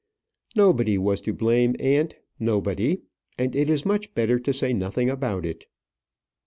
"Nobody was to blame, aunt; nobody, and it is much better to say nothing about it."